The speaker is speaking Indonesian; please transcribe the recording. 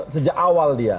sejak awal dia